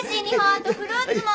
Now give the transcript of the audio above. あとフルーツも。